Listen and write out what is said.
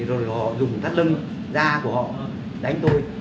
rồi họ dùng thắt lưng da của họ đánh tôi